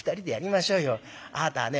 あなたはね